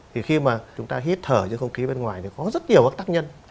thì khi mà chúng ta hít thở trên không khí bên ngoài thì có rất nhiều các tác nhân